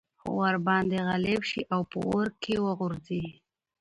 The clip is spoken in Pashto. خو ورباندي غالب شي او په اور كي ورغورځي